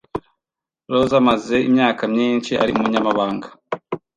Rosa amaze imyaka myinshi ari umunyamabanga.